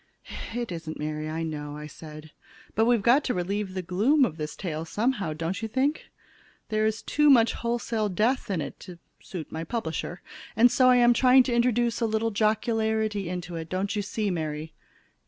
"It isn't, Mary, I know," said I. "But we've got to relieve the gloom of this tale someway, don't you think? There is too much wholesale death in it to suit my publisher! And so I am trying to introduce a little jocularity into it, don't you see, Mary?"